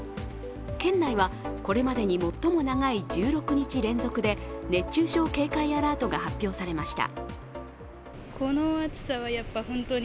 県内はこれまでに最も長い１６日連続で熱中症警戒アラートが発表されました。